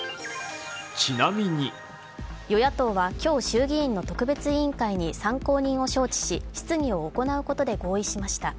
与野党は今日、衆議院の特別委員会に参考人を招致し質疑を行うことで合意しました。